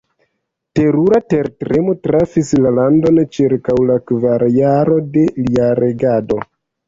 Terura tertremo trafis la landon ĉirkaŭ la kvara jaro de lia regado.